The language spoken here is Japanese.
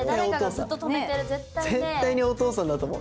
絶対にお父さんだと思う。